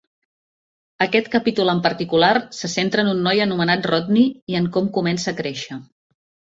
Aquest capítol en particular se centra en un noi anomenat Rodney i en com comença a créixer.